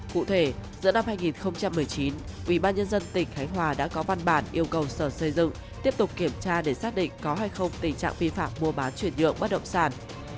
cụ thể giữa năm hai nghìn một mươi chín ubnd tỉnh khánh hòa đã có văn bản yêu cầu sở xây dựng tiếp tục kiểm tra để xác định có hay không tình trạng vi phạm mua bán chuyển nhượng bất động sản